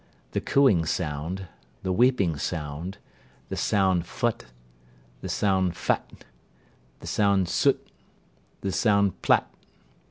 The cooing sound. The weeping sound. The sound Phut. The sound Phât. The sound Sût. The sound Plât.